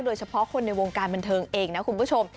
โดยเฉพาะคนในวงการบันเทิงเองนะคุณผู้ชม